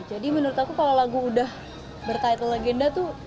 jadi menurut aku kalau lagu udah bertitle legenda tuh